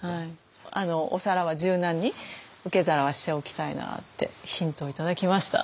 お皿は柔軟に受け皿はしておきたいなってヒントを頂きました。